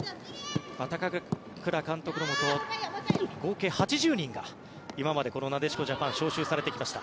高倉監督のもと合計８０人が今までこのなでしこジャパン招集されてきました。